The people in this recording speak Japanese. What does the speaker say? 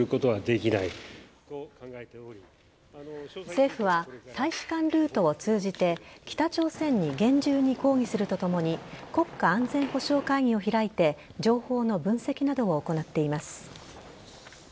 政府は大使館ルートを通じて北朝鮮に厳重に抗議するとともに国家安全保障会議を開いて情報の分析などを行っています。